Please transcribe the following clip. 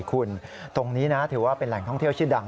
คุณตรงนี้นะถือว่าเป็นแหล่งท่องเที่ยวชื่อดัง